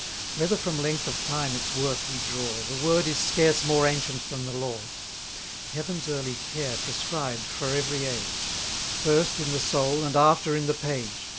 Whether from length of time its worth we draw, The word is scarce more ancient than the law: Heaven's early care prescribed for every age; First, in the soul, and after, in the page.